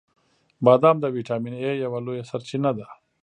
• بادام د ویټامین ای یوه لویه سرچینه ده.